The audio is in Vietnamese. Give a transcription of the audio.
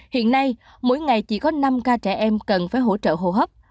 hiện nay mỗi ngày chỉ có năm ca trẻ em cần phải hỗ trợ hồ hấp